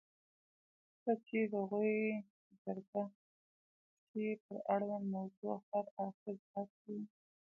کله چې هغوی جرګه شي پر اړونده موضوع هر اړخیز بحث کوي.